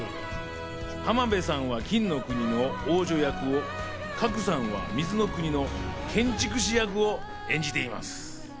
浜辺さんは金の国の王女役を、賀来さんは水の国の建築士役を演じています。